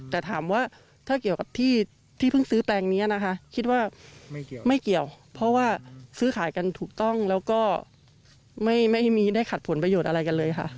แต่ถามว่าถ้าเกี่ยวกับที่เพิ่งซื้อแปลงนี้นะคะคิดว่าไม่เกี่ยวเพราะว่าซื้อขายกันถูกต้องแล้วก็ไม่มีได้ขัดผลประโยชน์อะไรกันเลยค่ะ